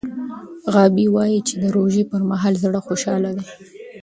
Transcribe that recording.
غابي وايي چې د روژې پر مهال زړه خوشحاله دی.